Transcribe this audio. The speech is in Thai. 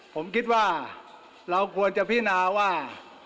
ผมคิดว่าเราควรจะพินาว่า